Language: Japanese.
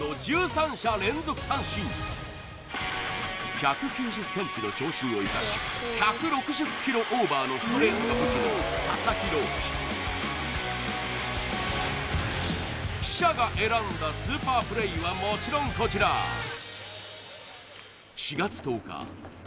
１９０ｃｍの長身を生かし１６０キロオーバーのストレートが武器の佐々木朗希記者が選んだスーパープレーはもちろんこちら４月１０日対